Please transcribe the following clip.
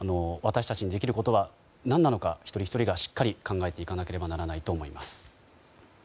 私たちにできることは何なのか一人ひとりが、しっかり考えていかなければならないと思います。